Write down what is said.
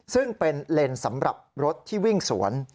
ซึ่งเป็นเลนส์สำหรับรถที่วิ่งสวน